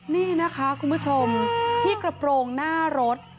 นี่นะคะคุณผู้ชมที่กระโปรงหน้ารถ